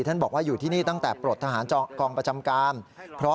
บอกว่าอยู่ที่นี่ตั้งแต่ปลดทหารกองประจำการ